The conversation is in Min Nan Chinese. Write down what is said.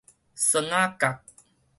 霜仔角